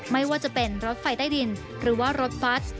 ไม่ว่าจะเป็นรถไฟใต้ดินหรือว่ารถบัส